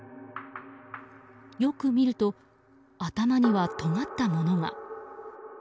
よく見ると頭にはとがったものが。